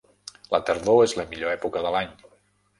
La tardor és la millor època de l'any